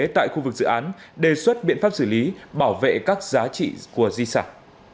tại khu vực dự án đề xuất biện pháp xử lý bảo vệ các giá trị của di sản